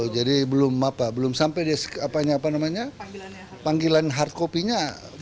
jadi belum sampai dia panggilan hard kopinya